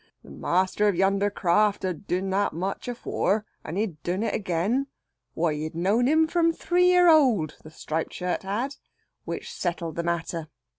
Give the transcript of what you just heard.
The master of yander craft had doon that much afower, and he'd do it again. Why, he'd known him from three year old, the striped shirt had! Which settled the matter.